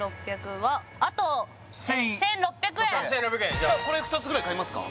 あと１６００円じゃあこれ２つぐらい買いますか？